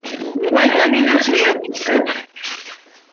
Igual camino siguió Mr.